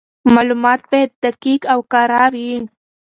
معلومات باید دقیق او کره وي.